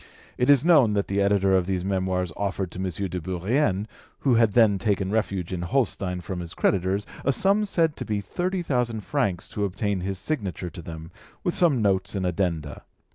It is known that the editor of these Memoirs offered to M. de Bourrienne, who had then taken refuge in Holstein from his creditors, a sum said to be thirty thousand francs to obtain his signature to them, with some notes and addenda.